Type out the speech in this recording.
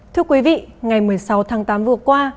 thưa quý vị ngày một mươi sáu tháng tám vừa qua